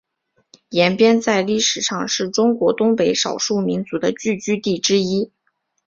延边在历史上是中国东北少数民族的聚居地之一。